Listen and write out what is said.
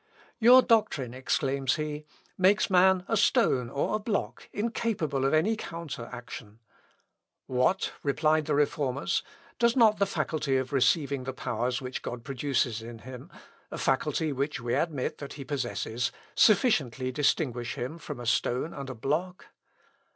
"Your doctrine," exclaims he, "makes man a stone or a block, incapable of any counter action...." "What," replied the Reformers, "does not the faculty of receiving the powers which God produces in him (a faculty which we admit that he possesses) sufficiently distinguish him from a stone and a block?"